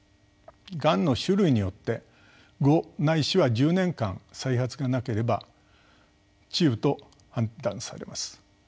がんの種類によって５ないしは１０年間再発がなければ治癒と判断されます。